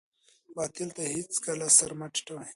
باطل ته هېڅکله سر مه ټیټوئ.